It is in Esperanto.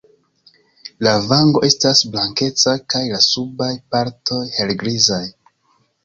La vango estas blankeca kaj la subaj partoj helgrizaj.